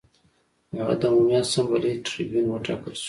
هغه د عمومي اسامبلې ټربیون وټاکل شو